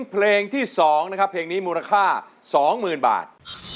เพลงที่สองนะครับเพลงนี้มูลค่าสองหมื่นบาท